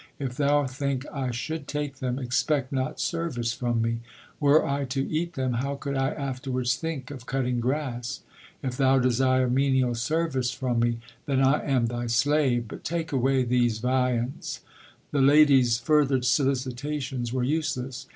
If thou think I should take them, expect not service from me. Were I to eat them, how could I afterwards think of cutting grass ? If thou desire menial service from me, then I am thy slave, but take away these viands/ The lady s further solicitations were useless.